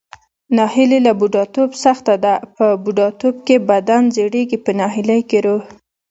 ناهیلي له بوډاتوب سخته ده، په بوډاتوب کې بدن زړیږي پۀ ناهیلۍ کې روح.